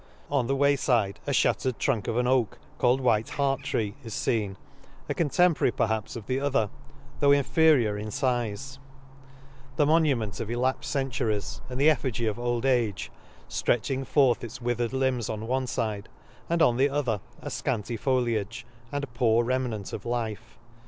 — On the way fide, a fhattered trunk of an oak, called White Hart tree, is fem 9 a cotemporary perhaps of the ether, though inferior in fize j — the mo nument the L a K e s. 45 nument of elapfed centuries, and the ef figy of old age ; flretching forth its wi thered limbs on one fide, and on the o ther a fcanty foliage, and poor remnant of life.